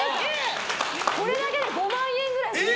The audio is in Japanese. これだけで５万円くらいする。